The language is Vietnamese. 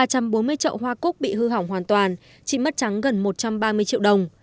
hơn ba trăm bốn mươi trậu hoa cốt bị hư hỏng hoàn toàn chị mất trắng gần một trăm ba mươi triệu đồng